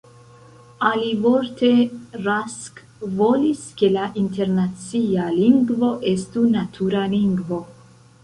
Alivorte, Rask volis ke la internacia lingvo estu natura lingvo.